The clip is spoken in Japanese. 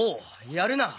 やるな。